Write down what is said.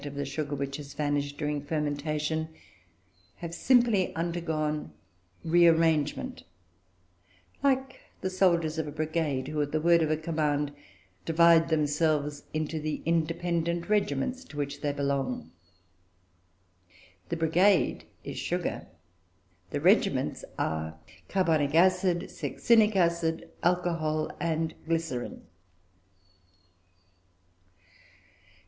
of the sugar which has vanished during fermentation have simply undergone rearrangement; like the soldiers of a brigade, who at the word of command divide themselves into the independent regiments to which they belong. The brigade is sugar, the regiments are carbonic acid, succinic acid, alcohol, and glycerine.